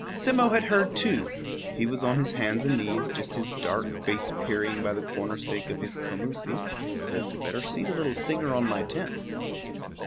Simmo had heard too. He was on his hands and knees, just his dark face peering by the corner stake of his commoosie, so as to see better the little singer on my tent.